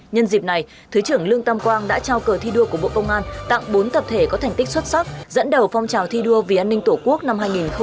nhân dịp này thứ trưởng lương tam quang đã trao cờ thi đua của bộ công an tặng bốn tập thể có thành tích xuất sắc dẫn đầu phong trào thi đua vì an ninh tổ quốc năm hai nghìn hai mươi ba